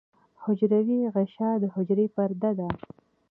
حجروی غشا د حجرې پرده ده